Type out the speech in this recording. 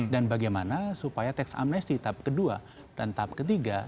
dan bagaimana supaya tax amnesty tahap kedua dan tahap ketiga